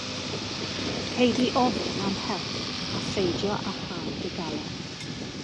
Cei di ofyn am help a pheidio â chau dy galon.